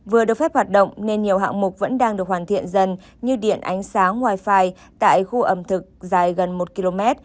vừa được phép hoạt động nên nhiều hạng mục vẫn đang được hoàn thiện dần như điện ánh sáng ngoài phai tại khu ẩm thực dài gần một km